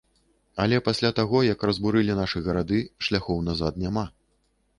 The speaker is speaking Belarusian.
Але пасля таго, як разбурылі нашы гарады, шляхоў назад няма.